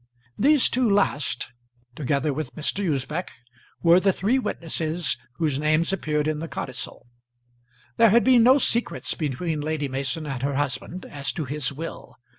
These two last, together with Mr. Usbech, were the three witnesses whose names appeared in the codicil. There had been no secrets between Lady Mason and her husband as to his will.